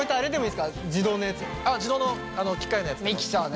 あ自動の機械のやつでも。